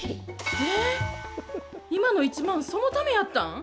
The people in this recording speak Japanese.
え、今の１万そのためやったん。